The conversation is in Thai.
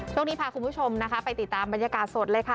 ช่วงนี้พาคุณผู้ชมนะคะไปติดตามบรรยากาศสดเลยค่ะ